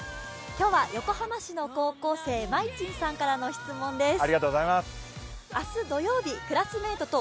今日は横浜市の高校生、まいちんさんからの質問です。